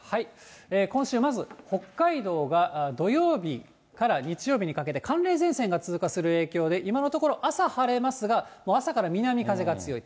今週、まず北海道が土曜日から日曜日にかけて、寒冷前線が通過する影響で、今のところ、朝晴れますが、朝から南風が強い。